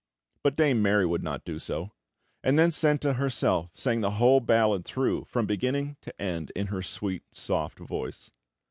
But Dame Mary would not do so; and then Senta herself sang the whole ballad through from beginning to end, in her sweet, soft voice.